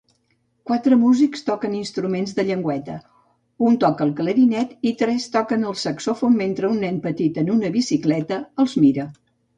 Quatre músics toquen instruments de llengüeta: un toca el clarinet i tres toquen el saxòfon mentre un nen petit en una bicicleta els mira.